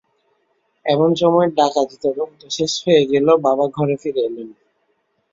এমন সময় ডাকাতি তদন্ত শেষ হয়ে গেল, বাবা ঘরে ফিরে এলেন।